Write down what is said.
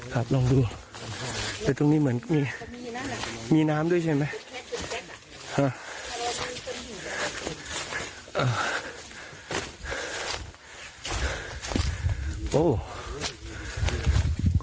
ครับลองดูแต่ตรงนี้เหมือนก็มีน้ำด้วยใช่ไหม